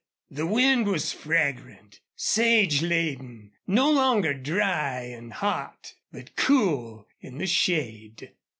The wind was fragrant, sage laden, no longer dry and hot, but cool in the shade.